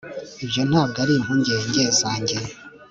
ibyo ntabwo ari impungenge zanjye